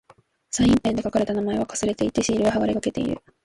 サインペンで書かれた名前は掠れていて、シールは剥がれかけている。